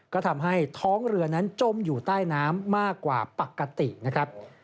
ก็ทำให้ท้องเรือนั้นจมอยู่ใต้น้ำมากกว่าปกตินะครับ